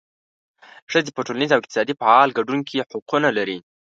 ښځې په ټولنیز او اقتصادي فعال ګډون کې حقونه لري.